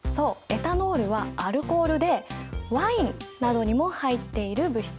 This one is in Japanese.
エタノールはアルコールでワインなどにも入っている物質。